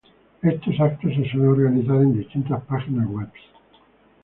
Estos eventos se suelen organizar en distintas páginas webs.